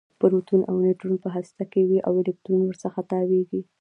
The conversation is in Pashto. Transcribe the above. پروټون او نیوټرون په هسته کې وي او الکترون ورڅخه تاویږي